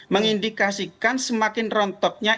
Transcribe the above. mendikasikan semakin rontoknya